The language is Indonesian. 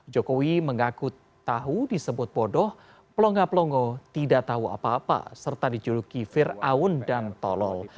jokowi mengaku tahu disebut bodoh plonga plongo tidak tahu apa apa serta dijuluki ⁇ firaun ⁇ dan tolol